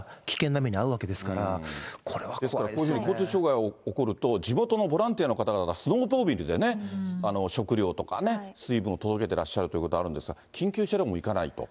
こういうふうに交通障害が起こると、地元のボランティアの方々が、スノーモービルでね、食料とかね、水分を届けていらっしゃるということがあるんですが、緊急車両も行かないと。